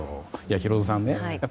ヒロドさん